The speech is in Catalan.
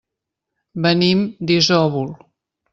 Venim d'Isòvol.